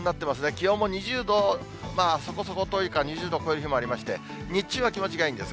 気温も２０度そこそこというか、２０度超える日もありまして、日中は気持ちがいいんです。